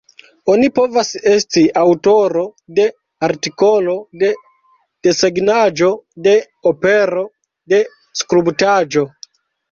Oni povas esti aŭtoro de artikolo, de desegnaĵo, de opero, de skulptaĵo.